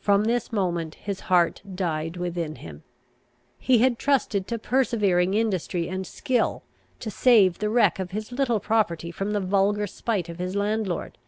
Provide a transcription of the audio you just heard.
From this moment his heart died within him. He had trusted to persevering industry and skill, to save the wreck of his little property from the vulgar spite of his landlord.